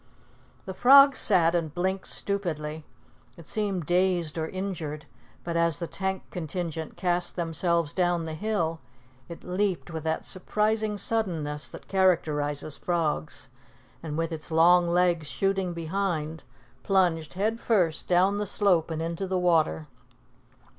The frog sat and blinked stupidly. It seemed dazed or injured, but as the tank contingent cast themselves down the hill, it leaped with that surprising suddenness that characterizes frogs, and with its long legs shooting behind, plunged head first down the slope and into the water.